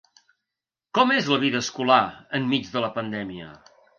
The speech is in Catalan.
Com és la vida escolar enmig de la pandèmia?